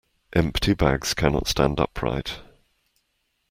Empty bags cannot stand upright.